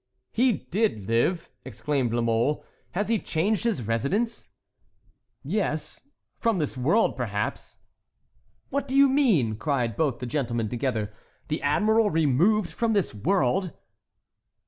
"He did live?" exclaimed La Mole. "Has he changed his residence?" "Yes—from this world, perhaps." "What do you mean?" cried both the gentlemen together, "the admiral removed from this world?"